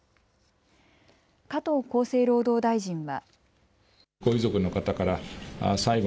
加藤厚生労働大臣は。